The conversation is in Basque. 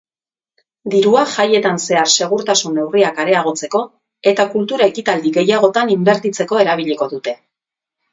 Dirua jaietan zehar segurtasun neurriak areagotzeko eta kultura ekitaldi gehiagotan inbertitzeko erabiliko dute.